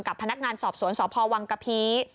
กับพนักงานสอบสวนสพวังกะพี